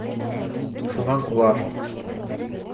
Шунан улар: